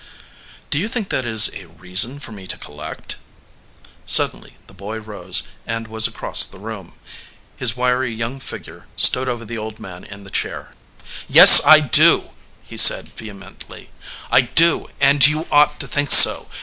"Do you think that is a reason for me to col lect?" Suddenly the boy rose and was across the room. His wiry young figure stood over the old man in the chair. "Yes, I do," he said, vehemently. "I do, and you ought to think so.